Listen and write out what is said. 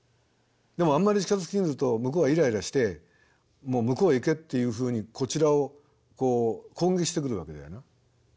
でもあんまり近づき過ぎると向こうはイライラしてもう向こうへ行けっていうふうにこちらを攻撃してくるわけだよな。